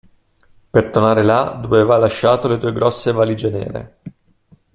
Per tornare là dove aveva lasciato le due grosse valige nere.